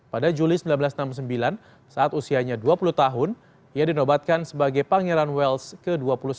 pada juli seribu sembilan ratus enam puluh sembilan saat usianya dua puluh tahun ia dinobatkan sebagai pangeran wells ke dua puluh satu